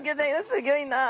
すギョいなあ。